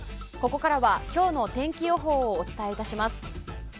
ここからは今日の天気予報をお伝え致します。